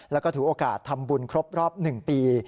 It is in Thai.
แล้วก็ถือโอกาสทำบุญครบรอบ๑ปี